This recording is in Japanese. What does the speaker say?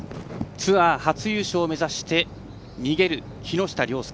ツアー初優勝を目指して逃げる木下稜介。